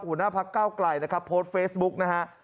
หัวหน้าพักเก้าไกลนะครับโพสต์เฟซบุ๊กนะฮะ